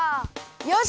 よし。